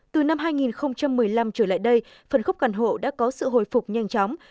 từ năm hai nghìn một mươi năm trở lại đây phần khúc căn hộ đã có sự hồi phục nhanh chóng